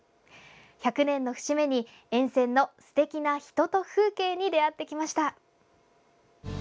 １００年の節目に、沿線のすてきな人と風景に出会ってきました。